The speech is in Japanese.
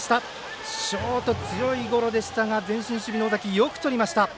ショート、強いゴロでしたが前進守備でよくとりました。